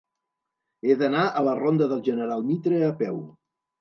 He d'anar a la ronda del General Mitre a peu.